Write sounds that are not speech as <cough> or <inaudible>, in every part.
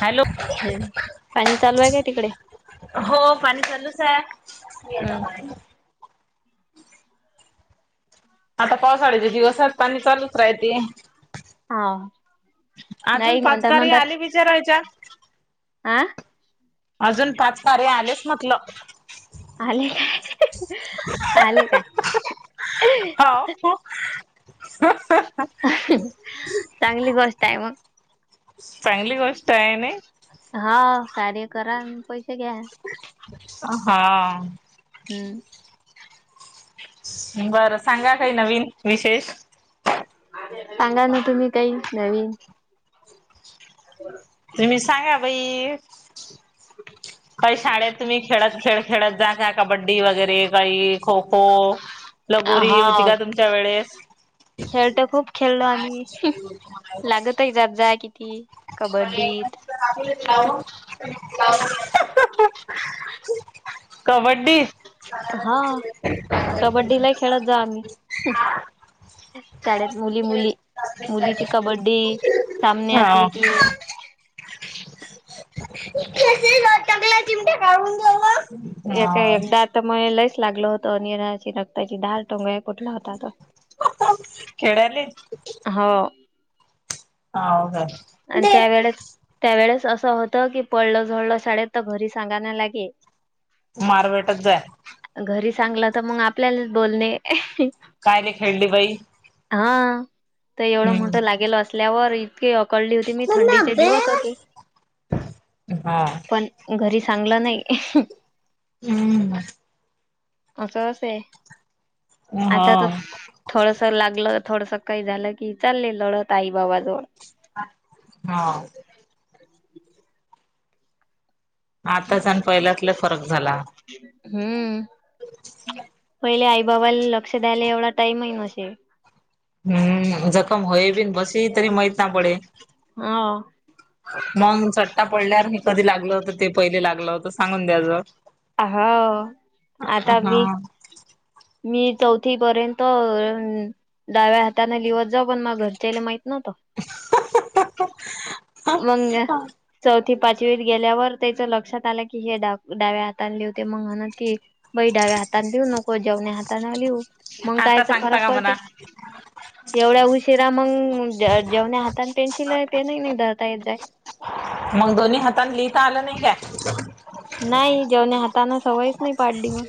Hello हम्म पाणी चालू आहे काय तिकडे? हो, पाणी चालूच हाय. आता पावसाळ्याचे दिवसात पाणी चालूच राहिते. हाव अजून नाही म्हणता पाचकारी आली विचारायच्या. आं अजून पाच कार्य आलेच म्हटलं. आले काय आले का? <unintelligible> चांगली गोष्ट आहे, मग. चांगली गोष्ट आहे नाय. हाव कार्य करां आणि पैसे घ्या. हा. हम्म. बरं सांगा काही नवीन विशेष? सांगा ना तुम्ही काही नवीन. <unintelligible> तुम्ही सांगा बाई. <unintelligible> काही शाळेत तुम्ही खेळत खेळ खेळत जा का, कबड्डी वगैरे बाई खो खो. लगोरी होती का तुमच्या वेळेस? खेळ तर खूप खेळलो आम्ही, लागतही जात जाय किती कबड्डीत <unintelligible> कबड्डी हा कबड्डीला खेळत जा आणि शाळेत मुली मुली मुलीची कबड्डी सामने हा. असले हा की टकले चिमटे काढून घेवा एक एकदा तर मये लईस लागलं होतं निराची रक्ताची धार टोंगे फूटला होता. तर खेडाले हो हाव काय! आन त्या वेळेस त्या वेळेस असं होतं! की पळलं, झळलं शाळेत तर घरी सांगायला नाय लागे मारभेटच जाय घरी सांगलं! तर मग आपल्यालाच बोलणे हं काय नाही ले खेळली बाई हा तर एवढं हम्म मोठं लागेल. असल्यावर इतकी अकळली होती. मी थंडीचे दिवस होते! हा पण घरी सांगलं नाही. असंच हे अं हह असं लागलं, थोडसं काही झालं, की चालले लढत आई बाबाजवळ हा आताचा अण पहिल्यात लय फरक झाला. हम्म पहिले आई बाबा आले लक्ष द्यायले एवढा टाईमही नसे. हम्म जखम होय. बिन बसे ही तरी माहीत ना पडे हाव मग चट्टा पडल्यावर हे कधी लागलं होतं! ते पहिले लागलं होतं. सांगून द्याच हाव आता मी हा मी चौथी पर्यंत डाव्या हाताने लिवत जाव पण माझा घरच्या ले माहि नव्हत मग चौथी पाचवी गेल्यावर त्याच्या लक्षात आलं. की हे डाव्या हाताने लिवते म्हणून की बाई डाव्या हाताने लिऊ नको जेवण्या हाताने लिहू मग आता कायच सांगता फरक का पडते. म्हणा एवढ्या उशिरा मग जेवण्या हातान पेन्सिल पेनही नाही धरता येत जाय मग दोन्ही हाताने लिहिता आलं नाही काय? नाही जेवण्या हाताने सवयच नाही. पाडली मग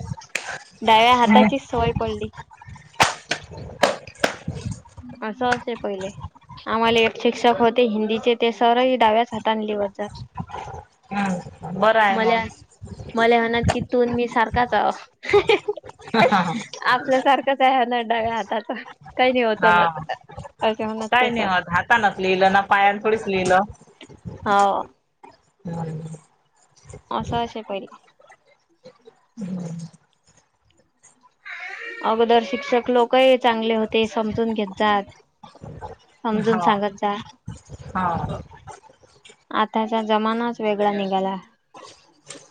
डाव्या काय हाताचीच सवय पडली. असं असे पहिले आम्हाला एक शिक्षक होते. हिंदीचे ते सर ही डाव्याच हातने लिवत जात. हम् बरा मल्या मल्या मनन की तून मी सारखाच आहो आपल्यासारखंच आहे. ह न डाव्या हाताचा. काही होत हा नत असे म्हणत ते सर! हातानं लिहिलं ना पायां थोडीच लिहिलं. होव हम् असं असे पहिले अगोदर शिक्षक लोकही चांगले होते समजून घेत जात. समजून सांगत जात. होव आताचा जमानाच वेगळा निघाला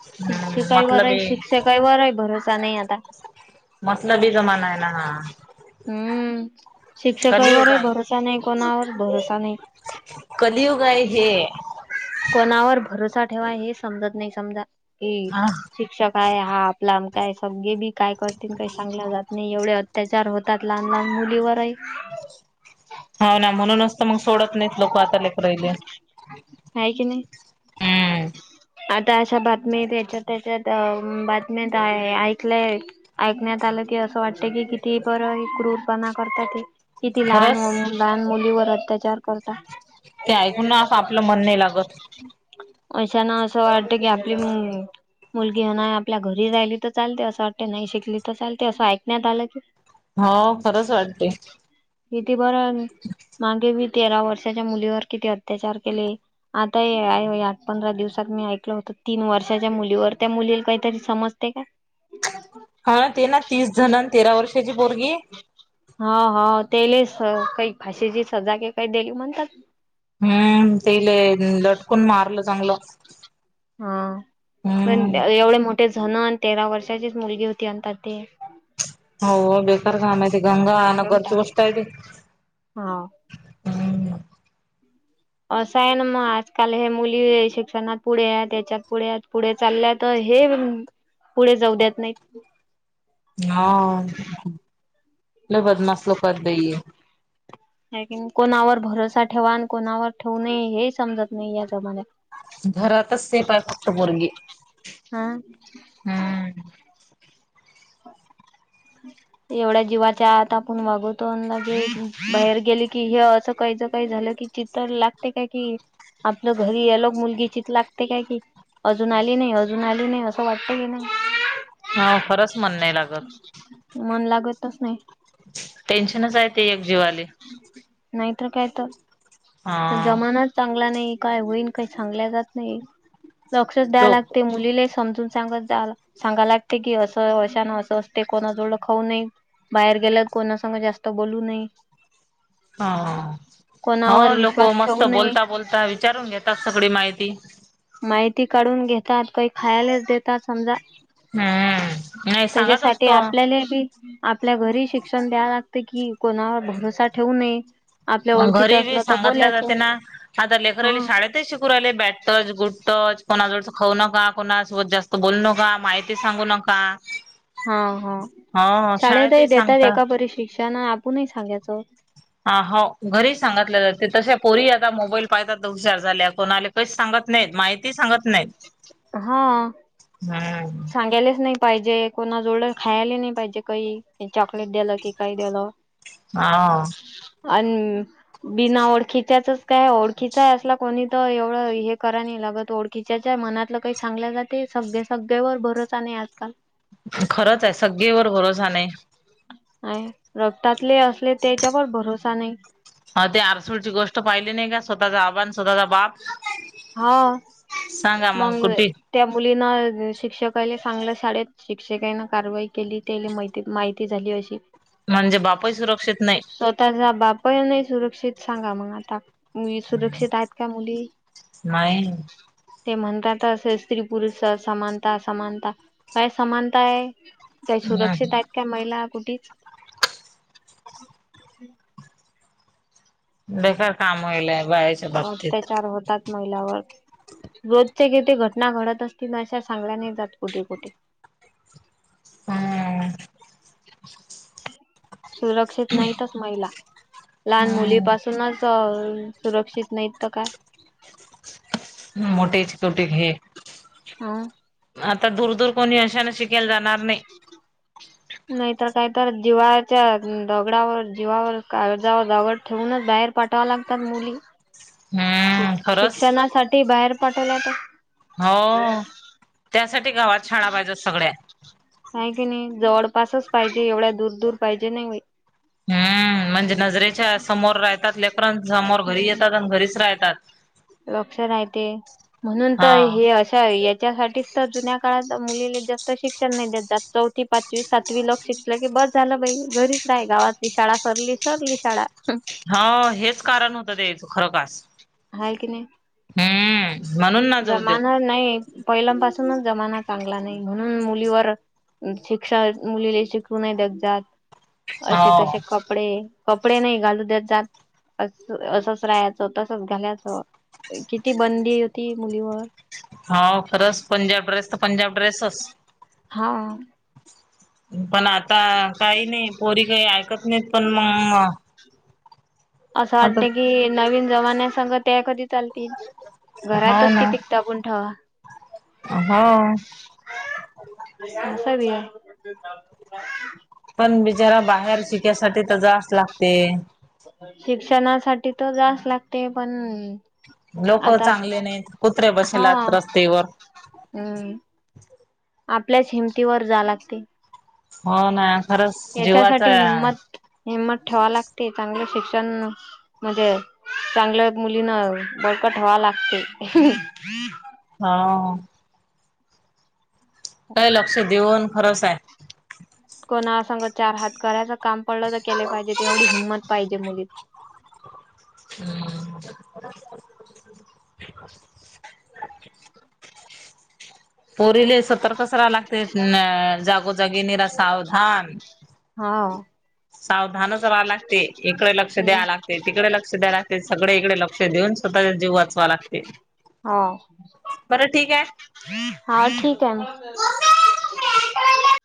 हम्म शिक्षिकवरही मतलबी शिक्षक काही वरय भरोसा नाही आता. मतलबी जमाना आहे ना हा. हम्म कलियुग शिक्षकावरही आहे भरोसा नाही कोणावर भरोसा नाही. कलीयुग आहे हे. कोणावर भरोसा ठेवा हे समजत नाही समजा की शिक्षक काय हा आपलाम काय सगळे बी काय करतील काही सांगल्या जात नाही एवढे अत्याचार होत त्यात लहान- लहान मुलीवरही हो ना म्हणूनचत मग सोडत नाहीत लोक आता लेकराले आहे की नाही हम्म आता अशा बातम्यात याच्यात त्याच्यात बातम्यात ऐकलंय. ऐकण्यात आलं की असं वाटत की किती बरं क्रूरपणा करतात किती लहान मु खरंच लहान मुलीवर अत्याचार करता. ते ऐकून ना अस आपलं मन नाही लागत. <unintelligible> अशाना असं वाटत की आपली पण मुलगी आहे ना आपल्या घरी राहिली तर चालते असं वाटते नाही शिकली तर चालते असं ऐकण्यात आलं की हो खरंच वाटते. किती बरं मागे मी तेरा वर्षाच्या मुलीवर किती अत्याचार केले आता हे पंधरा दिवसात मी ऐकलं होत तीन वर्षाच्या मुलीवर त्या मुलीला काहीतरी समजते काय ह <inaudible> हा ते ना तीस जण तेरा वर्षाची पोरगी. हो हो ते लईच काही फाशीची सजा के काही दिली म्हणतात. हम्म ते लई लटकून मारलं चांगलं हा हम्म पण एवढे मोठे झण अन् तेरा वर्षाचीच मुलगी होती म्हणतात ते हो बेकार घाण आहे ते गंगा मारून टाकले. हा असं आहे ना मग आजकाल हे मुली शिक्षणात पुढे आहेत याच्यात पुढे पुढे चालल्या तर हे पुढे जाऊ देत नाही. हा लय बदमाश लोक आहेत ते <inaudible> कोणावर भरोसा ठेवा आणि कोणावर ठेवू नये हे समजत नाही या जमान्यात घरातच असते फक्त पोरगी हा हम्म एवढ्या जीवाच्या आत आपण वागवतो जे बाहेर गेले की हे असं काहीच काही झालं की चित्त लागते काय कि आपलं घरी यायला मुलगी चित लागते काय कि अजून आली नाही अजून आली नाही असं वाटत की नाही. हो खरंच मन नाही लागत. मन लागतच नाही. टेन्शनच आहे ते एक जीवाले नाहीतर काय तर हा जमानाच चांगला नाही काय होईल काय सांगल्या जात नाही. लक्षच द्याय लोक लागते मुलीला समजून सांगत सांगाय लागते कि असं अशान असं असते कोणा जोड खाऊ नये. बाहेर गेल्यात कोणासंग जास्त बोलू नये. हो हो कोणावर हा लोक विश्वास मस्त ठेवू नये बोलता बोलता विचारून घेतात सगळी माहिती माहिती काढून घेतात काही खायलाच देतात समजा हम्म नाही सांगत त्याच्यासाठी असतो आपल्याले बी आपल्या घरी शिक्षण द्याया लागते कि कोणावर भरोसा ठेवू नये. आपल्या घरी ओळखीचं बी असलं तर सांगितल्या बोलायचं जाते ना आता हा लेकरली शाळेत तेच शिकू राहिले बॅट टच गुट टच कोणाजवळ खाऊ नका कोणासोबत जास्त बोल नका माहिती सांगू नका. का हा हा शाळेतही देतात सांगतात एका परी शिक्षण आपणही सांगायचं. हा हो घरी सांगितलं जाते तशा पोरीही आता मोबाईल पाहतात हुशार झाल्या कोणाले काहीच सांगत नाहीत माहिती सांगत नाहीत. हा हम्म सांगायलेच नाही. पाहिजे कोणा जोवळ खायला नाही पाहिजे काही चॉकलेट दिलं की काही दिलं‌. हा अन बिना ओळखीच्याच काय ओळखीचा आहे असला कोणी तर एवढं हे कराय नाही लागत ओळख कि च्याच्या मनातलं काही सांगल्या जाते सभ्य-सभ्य वर भरोसा नाही आजकाल खरंच आहे सग्गेवर भरोसा नाही. आहे रक्तातले असले त्याच्यावर भरोसा नाही. ते आरसूडची गोष्ट पाहिली नाही का स्वतःचा आप आणि स्वतःचा बाप हा सांगा मग मंग कुठे त्या मुलीना शिक्षकाला चांगल्या शाळेत शिक्षकांन कारवाई केली त्या माहि माहिती झाली अशी म्हणजे बापही सुरक्षित नाही स्वतःचा बापय नाही सुरक्षित सांगा मग आता मु सुरक्षित आहेत का मुली नाही ते म्हणतात अस स्त्री पुरुष समानता समानता काय समानता आहे काही सुरक्षित आहेत काय महिला कुठिच बेकार काम होईलय बायाच्या बाबतीत अत्याचार होतात महिलांवर रोजच्या किती घटना घडत असतील ना अशा सांगल्या नाही जात कुठे कुठे हम् सुरक्षित नाहीतच महिला लहान मुली पासूनच सुरक्षित नाहीत तर काय मोठे चे तोटे हे हा आता दूर दूर कोणी अशाना शिकायला जाणार नाही नाहीतर काही तर जीवाच्या दगडावर जीवावर काळजावर दगड ठेवूनच बाहेर पाठवा लागतात मुली श हम्म खरंच शिक्षणासाठी बाहेर पाठवल्यात हो त्यासाठी गावात शाळा पाहिजेत सगळ्या काय की नाही जवळपासच पाहिजे एवढ्या दूर दूर पाहिजे नाही हम्म म्हणजे नजरेच्या समोर राहतात लेकरं समोर घरी हम्म. येतात आणि घरीच राहतात लक्ष राह ते म्हणून हा तर हे असे यांच्यासाठी तर जुन्या काळात मुलीला जास्त शिक्षण नाही देत जात चौथी पाचवी सातवी ल शिक्ष की बस झालं बाई, घरीच राहि, गावातली शाळा सरली, सरली, शाळा. हा.. हेच कारण होतं. तेच खरं कास हाय... की नाही. हम्म..... म्हणून ना जाऊ जमाना देत नाही. पहिल्यापासूनच जमाना चांगला नाही. म्हणून मुलीवर शिक्षा, मुलीले शिकू नाही देत. जात.. हो असे, तसे क कपडे.. कपडे नाही घालू देत जात. अस असच राहायचं, तसच घालायचं, किती बंदी होती मुलीवर. हो <inaudible> पंजाब ड्रेस तर पंजाब ड्रेसच हा.... पण, आता काही नाही. पोरी काही ऐकत नाही. पण मग असं आता वाटत की, नवीन जमान्यासग त्या कधी चालतील. हो घरातच ना कि <inaudible> ठेवा. हो <unintelligible> पण, बिचारा बाहेर शिकासाठी तर जाव लागते. शिक्षणासाठी तर जास लागते. पण... लोक आता, चांगले नाहीत कुत्रे हा... बसेलात रस्तेवर हम्म... आपल्याच हिमतीवर जा लाग. ते हो ना.. खरंच, याच्यासाठी जीवाचं हिंमत हिंमत ठेवा लागते. चांगले शिक्षण म्हणजे, चांगल्या मुलीन बळकट हवा लागतंय. हा... काय, लक्ष देऊन खरंच आहे. कोणा संग चार हात करायच काम पडलं, तर केले पाहिजे. तेवढी हिंमत पाहिजे. मुली <inaudible> पोरीनी सतर्कच राहवत लागते. अ जागोजागि सावधान... हा सावधानच राहां लागते. इकडे लक्ष द्या. तिकडे लक्ष द्याय लागते. सगळे इकडे लक्ष देऊन स्वतःचा जीव वाचवा लागते. हो... बरं ठीक आहे हा ठीक आहे ना. ह <unintelligible>